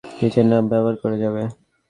নিজের নাম ব্যবহার করে ভেতরে যাবে।